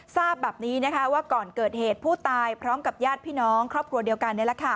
ทราบแบบนี้ว่าก่อนเกิดเหตุผู้ตายพร้อมกับญาติพี่น้องครอบครัวเดียวกัน